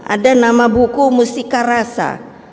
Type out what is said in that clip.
ada nama buku mustika rasa